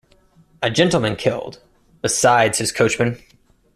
A gentleman killed, besides his coachman.